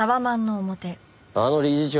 あの理事長